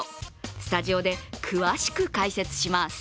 スタジオで詳しく解説します。